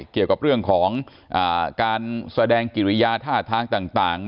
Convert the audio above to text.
เกี่ยวกับเรื่องของการแสดงกิริยาท่าทางต่าง